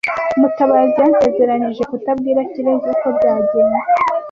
Mutabazi yansezeranije kutabwira Kirezi uko byagenze.